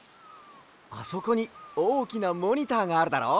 あそこにおおきなモニターがあるだろ。